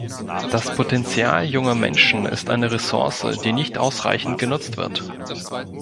Das Potenzial junger Menschen ist eine Ressource, die nicht ausreichend genutzt wird.